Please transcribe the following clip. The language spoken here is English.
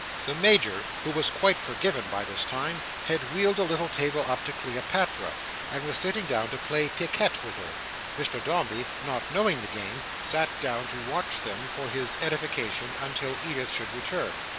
The Major, who was quite forgiven by this time, had wheeled a little table up to Cleopatra, and was sitting down to play picquet with her. Mr Dombey, not knowing the game, sat down to watch them for his edification until Edith should return.